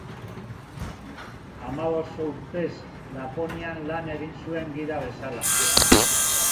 Hamabost urtez Laponian lan egin zuen gida bezala.